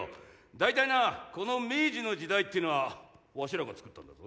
大体なこの明治の時代っていうのはわしらがつくったんだぞ。